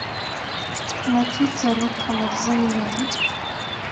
Mačči d taluft meẓẓiyen.